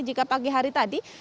jadi jika pagi hari tadi